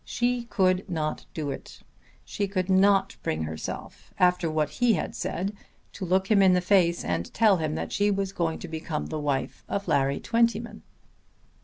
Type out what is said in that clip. She could not do it. She could not bring herself, after what he had said, to look him in the face and tell him that she was going to become the wife of Larry Twentyman.